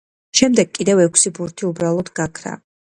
შემდეგ, კიდევ ექვსი ბურთი უბრალოდ გაქრა.